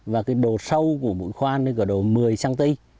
và độ sâu của mũi khoan là độ một mươi cm